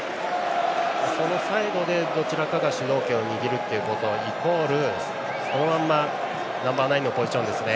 そのサイドでどちらかが主導権を握るイコールこのままナンバーナインのポジションですね。